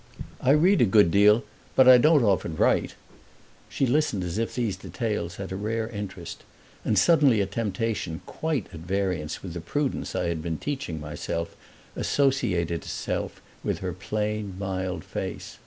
"I read a good deal, but I don't often write." She listened as if these details had a rare interest, and suddenly a temptation quite at variance with the prudence I had been teaching myself associated itself with her plain, mild face.